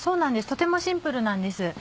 とてもシンプルなんです。